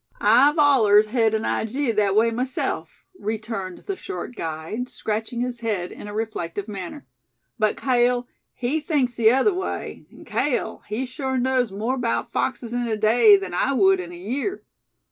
"I've allers hed an ijee thet way myself," returned the short guide, scratching his head in a reflective manner; "but Cale, he thinks the other way; an' Cale, he sure knows more about foxes in a day than I wud in a year.